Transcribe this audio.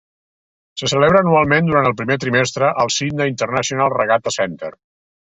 Se celebra anualment durant el primer trimestre al Sidney International Regatta Centre.